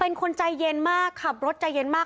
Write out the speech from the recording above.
เป็นคนใจเย็นมากขับรถใจเย็นมาก